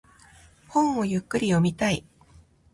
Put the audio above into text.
本をゆっくり読みたい。